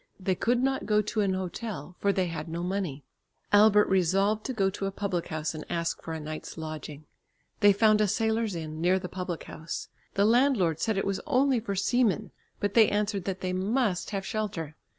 They could not go to an hotel, for they had no money. Albert resolved to go to a public house and ask for a night's lodging. They found a sailors' inn near the public house. The landlord said it was only for seamen, but they answered that they must have shelter.